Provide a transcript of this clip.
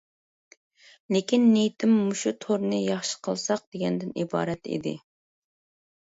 لېكىن نىيىتىم «مۇشۇ تورنى ياخشى قىلساق» دېگەندىن ئىبارەت بولدى.